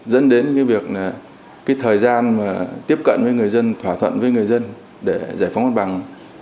dẫn đến cái việc là cái thời gian mà tiếp cận với người dân thỏa thuận với người dân để giải phóng hoạt bằng